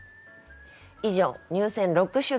以上入選六首でした。